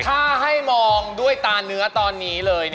ถ้าให้มองด้วยตาเนื้อตอนนี้เลย